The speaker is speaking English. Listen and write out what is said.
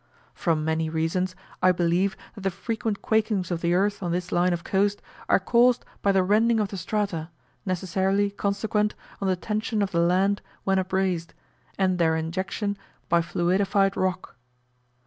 From many reasons, I believe that the frequent quakings of the earth on this line of coast are caused by the rending of the strata, necessarily consequent on the tension of the land when upraised, and their injection by fluidified rock.